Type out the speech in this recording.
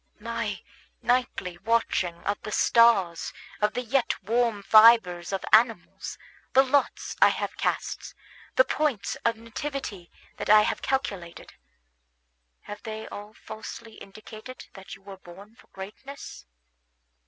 My nightly watchings of the stars, of the yet warm fibres of animals, the lots I have cast, the points of nativity that I have calculated, have they all falsely indicated that you were born for greatness?